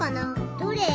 どれ？